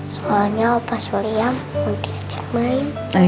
soalnya opa surya mau diajak main